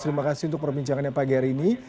terima kasih untuk perbincangannya pagi hari ini